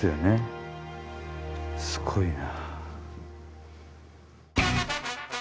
すごいな。